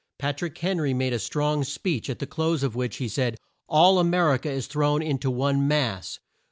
Pat rick Hen ry made a strong speech at the close of which he said, "All A mer i ca is thrown in to one mass.